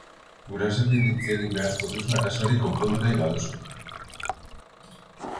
Gurasoekin hitzegin beharko duzu arazo hori konpondu nahi baduzu.